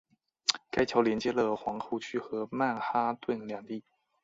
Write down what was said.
该桥连接了皇后区和曼哈顿两地。